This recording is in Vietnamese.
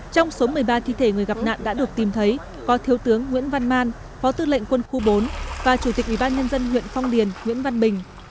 trong số một mươi ba thi thể người gặp nạn đã được tìm thấy có thiếu tướng nguyễn văn man phó tư lệnh quân khu bốn và chủ tịch ủy ban nhân dân huyện phong điền nguyễn văn bình